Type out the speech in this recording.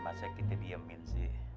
masa kita diemin sih